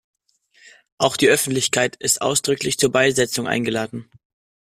Auch die Öffentlichkeit ist ausdrücklich zur Beisetzung eingeladen.